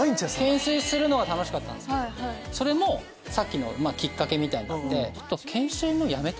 懸垂するのが楽しかったけどそれもさっきのきっかけみたいなのあって。